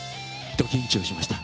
ド緊張しました。